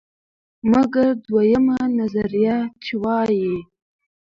مګر دویمه نظریه، چې وایي: